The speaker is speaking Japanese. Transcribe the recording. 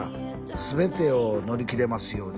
「全てを乗り切れますように」